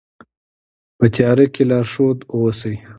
په تیاره کې لارښود اوسئ.